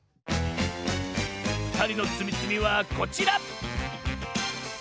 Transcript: ふたりのつみつみはこちら！